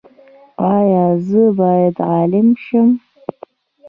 ایا زه باید عالم شم؟